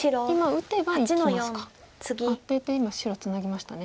アテて今白ツナぎましたね。